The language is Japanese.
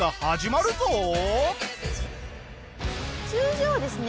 通常ですね